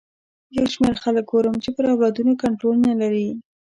یو شمېر خلک ګورم چې پر اولادونو کنټرول نه لري.